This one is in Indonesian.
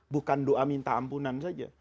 bukan doa minta ampunan saja